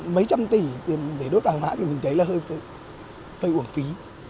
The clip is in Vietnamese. mấy trăm tỷ để đốt vàng mã thì mình thấy là hơi ổn phí